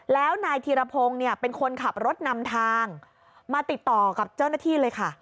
แล้วนายธีรพงศ์เนี่ยเป็นคนขับรถนำทางมาติดต่อกับเจ้าหน้าที่เลยค่ะ